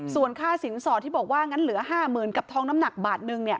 ส่วนค่าสินสอดที่บอกว่างั้นเหลือ๕๐๐๐กับทองน้ำหนักบาทนึง